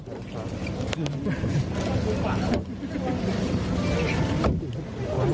มีคนจะติดไหมครับพี่โม